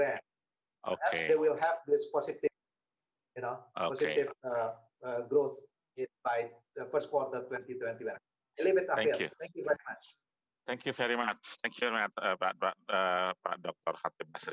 pandemi ini menghalangi kehidupan dan keamanan dalam cara yang tidak pernah kita bayangkan